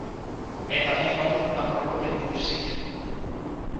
É tamén nome dunha parroquia do municipio.